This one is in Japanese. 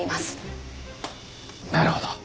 なるほど。